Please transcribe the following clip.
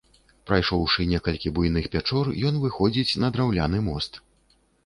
Прайшоўшы некалькі буйных пячор, ен выходзіць на драўляны мост.